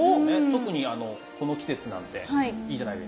特にあのこの季節なんでいいじゃないですか。